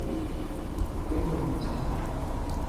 Теперь мы вместе.